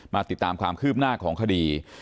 ติดตามความคืบหน้าของคดี